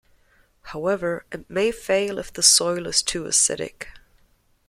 However, it may fail if the soil is too acidic.